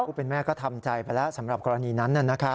ถ้าเป็นแม่ก็ทำใจไปแล้วสำหรับกรณีนั้นน่ะนะครับ